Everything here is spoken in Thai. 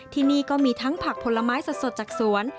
ที่นี่ก็มีทั้งผักผลไม้สดจากสวน